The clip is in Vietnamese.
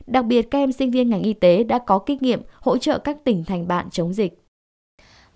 đặc biệt các em sinh viên ngành y tế đã có kinh nghiệm hỗ trợ các tỉnh thành bạn chống dịch